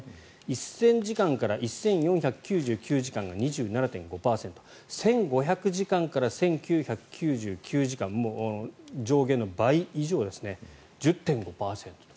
１０００時間から１４９９時間が２７．５％１５００時間から１９９９時間上限の倍以上ですね１０．５％と。